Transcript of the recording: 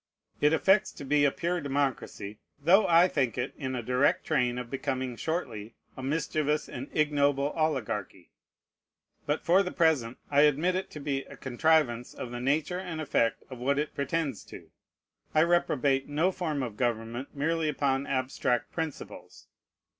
It affects to be a pure democracy, though I think it in a direct train of becoming shortly a mischievous and ignoble oligarchy. But for the present I admit it to be a contrivance of the nature and effect of what it pretends to. I reprobate no form of government merely upon abstract principles.